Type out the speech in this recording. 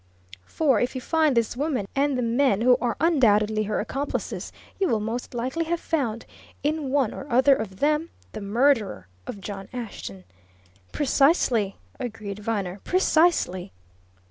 For if you find this woman and the men who are undoubtedly her accomplices, you will most likely have found, in one or other of them, the murderer of John Ashton!" "Precisely!" agreed Viner. "Precisely!"